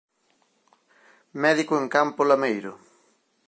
Médico en Campo Lameiro.